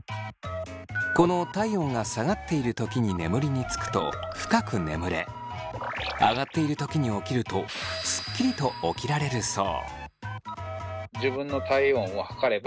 この体温が下がっている時に眠りにつくと深く眠れ上がっている時に起きるとスッキリと起きられるそう。